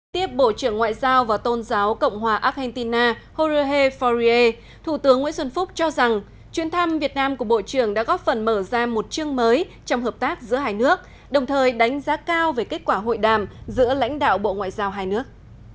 tiếp bộ trưởng ngoại giao và tôn giáo cộng hòa argentina jorge faurier thủ tướng nguyễn xuân phúc cho rằng chuyến thăm việt nam của bộ trưởng đã góp phần mở ra một chương mới trong hợp tác giữa hai nước đồng thời đánh giá cao về kết quả hội đàm giữa lãnh đạo bộ ngoại giao hai nước